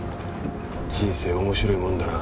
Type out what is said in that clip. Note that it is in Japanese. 人生面白いものだな。